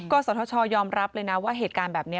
ก็สทชยอมรับเลยนะว่าเหตุการณ์แบบนี้